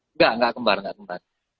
enggak enggak kembar nggak kembar